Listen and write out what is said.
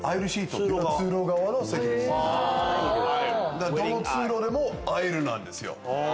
だからどの通路でも「ａｉｓｌｅ」なんですよ。